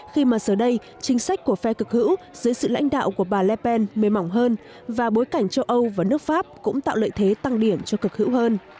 khi mà giờ đây chính sách của phe cực hữu dưới sự lãnh đạo của bà lpen mềm mỏng hơn và bối cảnh châu âu và nước pháp cũng tạo lợi thế tăng điểm cho cực hữu hơn